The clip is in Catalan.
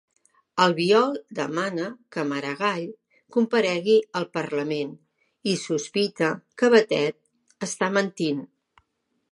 Albiol demana que Maragall comparegui al Parlament i sospita que Batet està mentint.